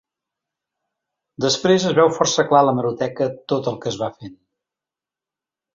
Després, es veu força clar a l’hemeroteca tot el que es va fent.